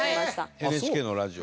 ＮＨＫのラジオ。